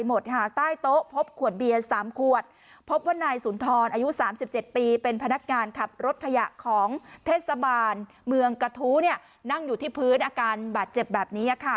เมืองกระทู้เนี่ยนั่งอยู่ที่พื้นอาการบาดเจ็บแบบนี้อ่ะค่ะ